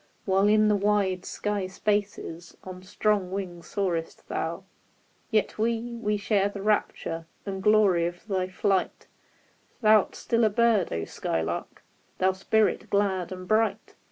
While in the wide sky spaces, On strong wing soarest thou ! THE SPARROW TO THE SKYLARK 59 Yet we — we share the rapture And glory of thy flight — Thou'rt still a bird, O skylark, — Thou spirit glad and bright